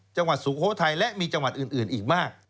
สุโขทัยและมีจังหวัดอื่นอีกมาก